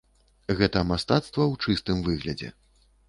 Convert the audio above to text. Гэта мастацтва ў чыстым выглядзе.